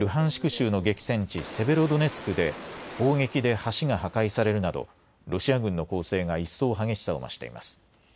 州の激戦地セベロドネツクで砲撃で橋が破壊されるなどロシア軍の攻勢が一層激しさを増しています。